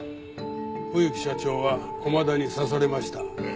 冬木社長は駒田に刺されました。